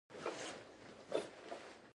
د پلن پاڼو هرزه ګیاوو لپاره کوم درمل شته؟